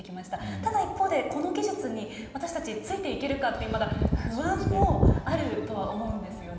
ただ一方で、この技術に私たちついていけるかと不安もあるとは思うんですよね。